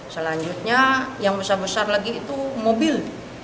selanjutnya yang besar besar lagi itu mobil